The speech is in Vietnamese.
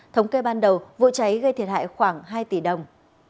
thống kê ban đầu vụ cháy gây thiệt hại khoảng hai tỷ đồng